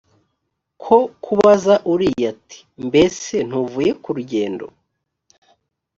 ko kubaza uriya ati mbese ntuvuye ku rugendo